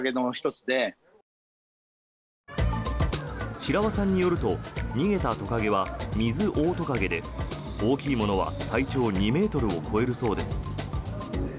白輪さんによると逃げたトカゲはミズオオトカゲで大きいものは体長２ｍを超えるそうです。